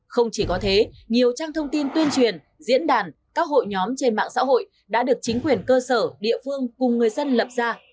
không chỉ có thế nhiều trang thông tin tuyên truyền diễn đàn các hội nhóm trên mạng xã hội đã được chính quyền cơ sở địa phương cùng người dân lập ra